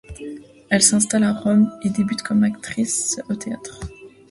Elle s'installe à Rome et débute comme actrice au théâtre.